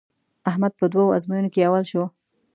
احمد په دوو ازموینو کې اول شو.